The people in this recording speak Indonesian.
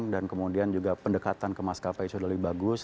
dan kemudian juga pendekatan ke maskapai sudah lebih bagus